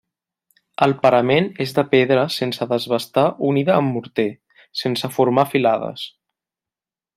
El parament és de pedra sense desbastar unida amb morter, sense formar filades.